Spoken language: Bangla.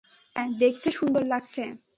হ্যাঁ - দেখতে সুন্দর লাগছে।